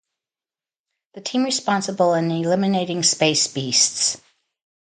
The team responsible in eliminating Space Beasts.